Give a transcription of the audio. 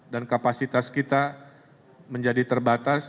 dan kapasitas kita menjadi terbatas